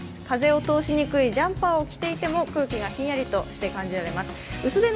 風を通しにくいジャンパーを着ていても空気がひんやりと感じられます。